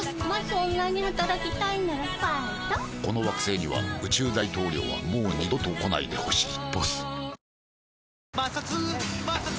この惑星には宇宙大統領はもう二度と来ないでほしい「ＢＯＳＳ」